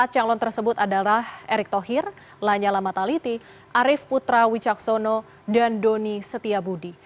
empat calon tersebut adalah erick thohir lanyala mataliti arief putra wicaksono dan doni setiabudi